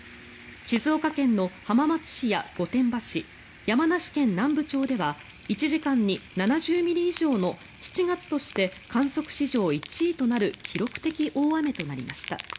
静岡県の浜松市や御殿場市山梨県南部町では１時間に７０ミリ以上の７月として観測史上１位となる記録的大雨となりました。